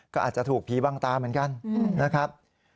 ก็อาจจะถูกผีบังตาเหมือนกันนะครับ